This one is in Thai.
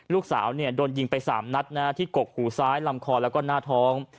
ลูกสาวโดนยิงไป๓นัดที่กกหูซ้ายลำคอแล้วก็หน้าท้อง